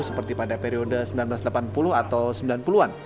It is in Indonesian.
seperti pada periode seribu sembilan ratus delapan puluh atau sembilan puluh an